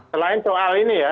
selain soal ini ya